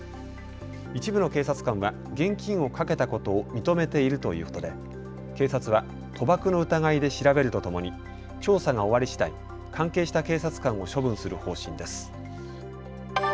一部の警察官は現金を賭けたことを認めているということで警察は賭博の疑いで調べるとともに調査が終わりしだい、関係した警察官を処分する方針です。